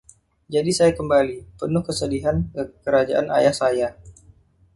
Jadi saya kembali, penuh kesedihan, ke kerajaan ayah saya.